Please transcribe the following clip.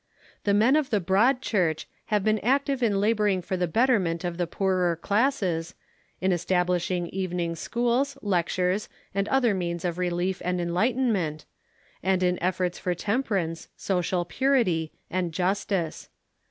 The men of the Broad Church have been active in laboring for the betterment of the poorer classes, in establishing evening schools, lectures, and other means of relief and enlightenment, and in efforts for temperance, social purity, and justice.